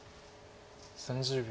３０秒。